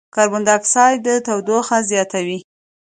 د کاربن ډای اکسایډ تودوخه زیاتوي.